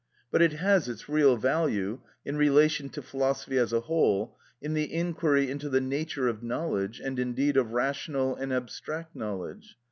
But it has its real value, in relation to philosophy as a whole, in the inquiry into the nature of knowledge, and indeed of rational and abstract knowledge.